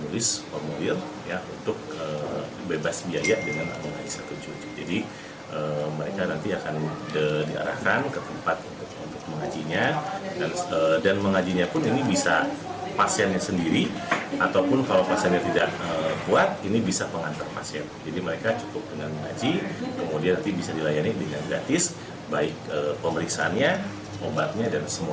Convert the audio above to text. jadi mereka cukup dengan mengaji kemudian nanti bisa dilayani dengan gratis baik pemeriksaannya obatnya dan semuanya